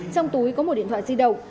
trong túi có một điện thoại di động